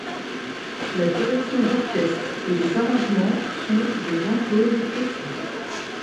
La direction d'orchestre et les arrangements sont de Jean-Claude Petit.